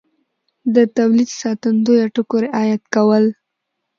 د تولید ساتندویه ټکو رعایت کول